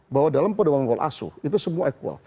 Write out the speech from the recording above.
bahwa dalam perubahan pola asuh itu semua equal